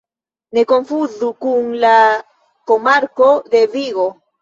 Ne konfuzu kun la komarko de Vigo.